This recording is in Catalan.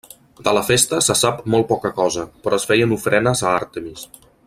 De la festa se sap molt poca cosa, però es feien ofrenes a Àrtemis.